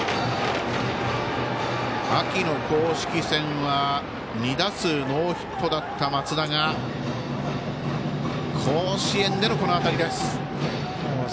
秋の公式戦は２打数ノーヒットだった松田が甲子園でこの当たりです。